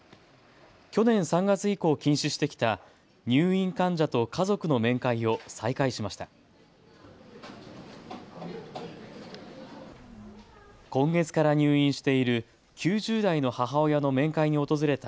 去年３月以降、禁止してきた入院患者と家族の面会を再開しました。